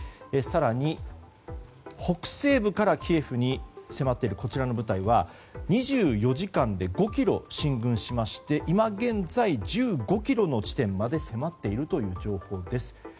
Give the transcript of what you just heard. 更に北西部からキエフに迫っている部隊は２４時間で５ｋｍ進軍しまして今現在、１５ｋｍの地点まで迫っているという情報です。